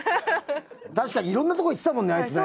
確かにいろんなとこ行ってたもんねあいつね。